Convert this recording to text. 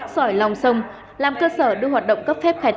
sỏi lòng sông làm cơ sở đưa hoạt động